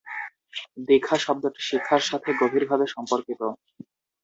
দীক্ষা শব্দটি শিক্ষার সাথে গভীর ভাবে সম্পর্কিত।